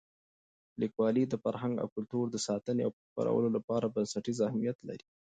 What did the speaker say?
لیکوالی د فرهنګ او کلتور د ساتنې او خپرولو لپاره بنسټیز اهمیت لري.